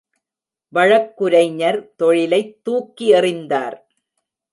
வழக்குரைஞர் தொழிலைத் தூக்கி எறிந்தார்.